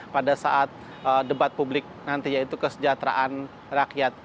pada saat debat publik nanti yaitu kesejahteraan rakyat